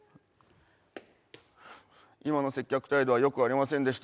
今の接客態度はよくありませんでした。